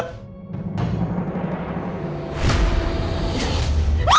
masih tidak teriak